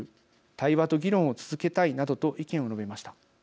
対話と議論を続けたいなどと意見を述べました。